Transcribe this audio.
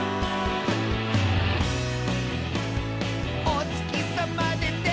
「おつきさまでて」